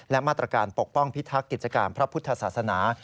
และมาตรการปกป้องพิทักษ์กิจการพระพุทธศาสนา